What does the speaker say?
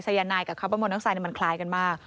ไซยานายกับคาร์บอลมอน็อกไซด์มันคล้ายกันมาก